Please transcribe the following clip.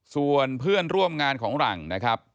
ส่วนเพื่อนร่วมงานของหลังนะครับ